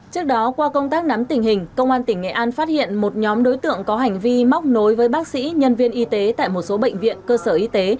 trước đó qua công tác nắm tình hình công an tỉnh nghệ an phát hiện một nhóm đối tượng có hành vi móc nối với bác sĩ nhân viên y tế tại một số bệnh viện cơ sở y tế